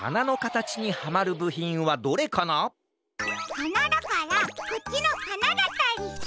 はなだからこっちの「はな」だったりして。